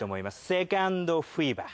セカンドフィーバー